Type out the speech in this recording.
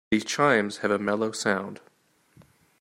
These chimes have a mellow sound.